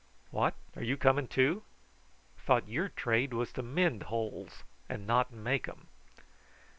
What! are you coming too? Thought your trade was to mend holes and not make 'em."